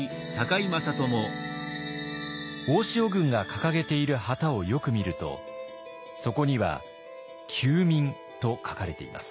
大塩軍が掲げている旗をよく見るとそこには「救民」と書かれています。